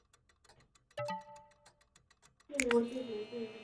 并没有行进间射击能力和较高端的射控系统。